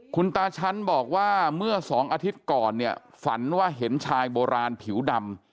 คุณตาชั้นบอกว่าเมื่อสองอาทิตย์ก่อนเนี่ยฝันว่าเห็นชายโบราณผิวดำ